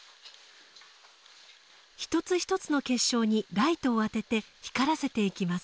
一つ一つの結晶にライトを当てて光らせていきます。